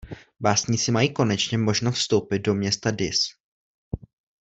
Básníci mají konečně možnost vstoupit do města Dis.